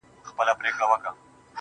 ړنده شې دا ښېرا ما وکړله پر ما دې سي نو.